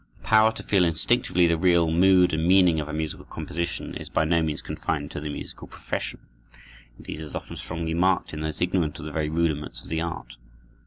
The power to feel instinctively the real mood and meaning of a musical composition is by no means confined to the musical profession; indeed, is often strongly marked in those ignorant of the very rudiments of the art.